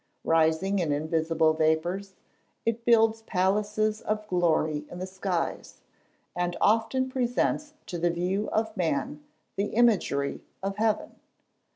Rising in invisible vapours, it builds palaces of glory in the skies, and often presents to the view of man the imagery of heaven.